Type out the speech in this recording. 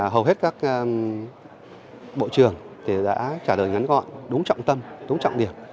hầu hết các bộ trưởng đã trả lời ngắn gọn đúng trọng tâm đúng trọng điểm